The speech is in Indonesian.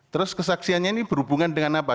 terus kesaksiannya ini berhubungan dengan apa